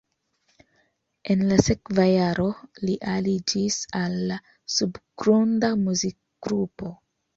En la sekva jaro li aliĝis al subgrunda muzikgrupo.